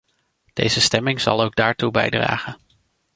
Deze stemming zal ook daartoe bijdragen.